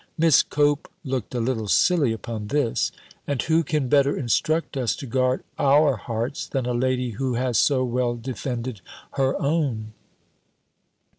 (Miss Cope looked a little silly upon this.) "And who can better instruct us to guard our hearts, than a lady who has so well defended her own?"